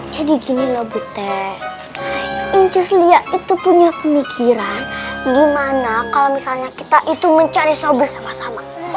jadi gini loh bute inces lia itu punya pemikiran gimana kalau misalnya kita itu mencari sobri sama sama